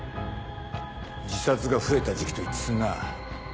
自殺が増えた時期と一致すんなぁ。